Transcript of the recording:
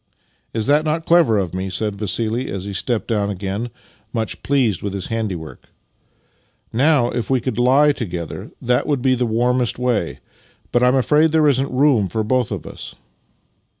" Is not that clever of me? " said Vassili as he stepped down again, much pleased with his handi work. " Now, if we could lie together, that would be the warmest way, but I'm afraid that there isn't room for both of us."